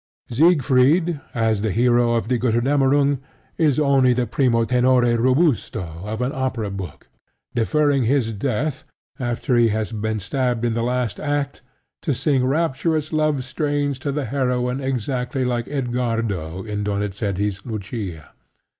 Siegfried, as the hero of Die Gotterdammerung, is only the primo tenore robusto of an opera book, deferring his death, after he has been stabbed in the last act, to sing rapturous love strains to the heroine exactly like Edgardo in Donizetti's Lucia.